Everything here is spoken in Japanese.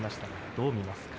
どう見ますか。